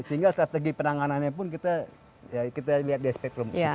sehingga strategi penanganannya pun kita lihat di spektrum